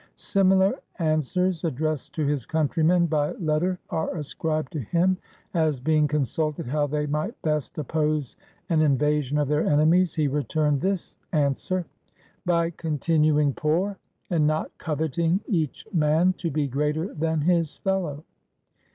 Similar answers, addressed to his countr^Tnen by letter, are ascribed to him; as, being consulted how they might best oppose an invasion of their enemies, he returned this answer, "By continuing poor, and not coveting each man to be greater than his fellow."